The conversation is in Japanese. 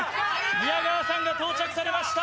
宮川さんが到着されました！